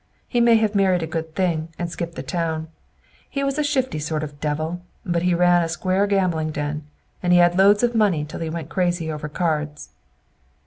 He may have married a good thing, and skipped the town. He was a shifty sort of a devil; but he ran a square gambling den. And he had loads of money till he went crazy over cards."